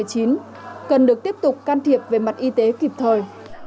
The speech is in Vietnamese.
cần được tiếp tục can thiệp về mặt y tế kịp thời